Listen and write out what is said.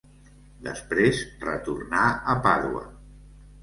Després retornà a Pàdua.